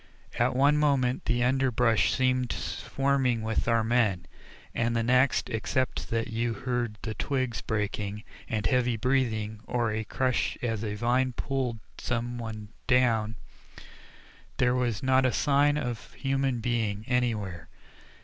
At one moment the underbrush seemed swarming with our men, and the next, except that you heard the twigs breaking, and heavy breathing or a crash as a vine pulled some one down, there was not a sign of a human being anywhere.